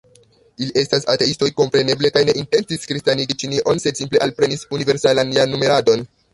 Ili estas ateistoj, kompreneble, kaj ne intencis kristanigi Ĉinion, sed simple alprenis universalan jarnumeradon.